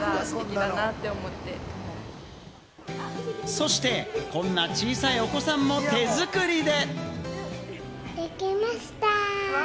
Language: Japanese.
そしてこんな小さいお子さんも手作りで。